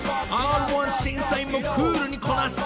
［Ｒ−１審査員もクールにこなす］